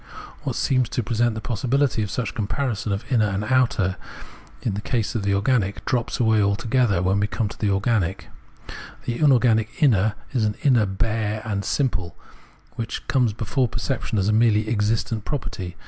What seems to present the possibility of such a comparison of inner and outer in the case of Observation of Organic Nature 270 the inorganic, drops away altogether when we come to the organic. The inorganic inner is an inner bare and simple, which comes before perception as a merely existent property.